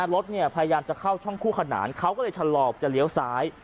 รถพยายามจะเข้าช่องคู่ขนานเขาก็เลยชะลอบจะเลี้ยวซ้าย